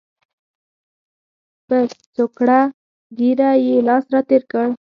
پر څوکړه ږیره یې لاس را تېر کړ.